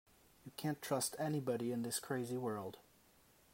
You can't trust anybody in this crazy world.